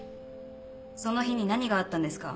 その日に何があったんですか？